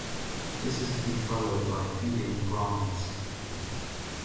This is to be followed by feeding Brahmins.